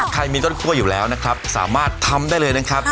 มีต้นคั่วอยู่แล้วนะครับสามารถทำได้เลยนะครับ